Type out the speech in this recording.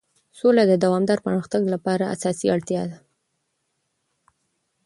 سوله د دوامدار پرمختګ لپاره اساسي اړتیا ده.